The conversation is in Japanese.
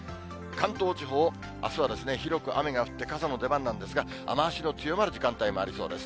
関東地方、あすは広く雨が降って、傘の出番なんですが、雨足の強まる時間帯もありそうです。